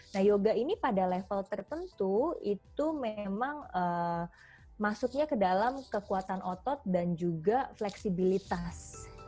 nah yoga ini pada level tertentu itu memang masuknya ke dalam kekuatan otot dan juga fleksibilitas